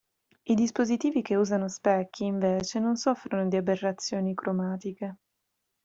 I dispositivi che usano specchi, invece, non soffrono di aberrazioni cromatiche.